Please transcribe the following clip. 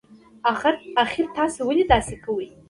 اخر تاسي ولې داسی کوئ